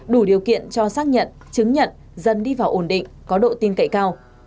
đủ điều kiện cho xác nhận chứng nhận dân đi vào ổn định có độ tin cậy cao